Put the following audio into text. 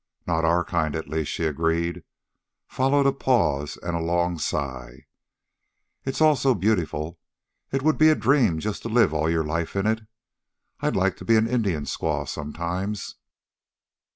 "Not our kind, at least," she agreed. Followed a pause and a long sigh. "It's all so beautiful. It would be a dream just to live all your life in it. I'd like to be an Indian squaw sometimes."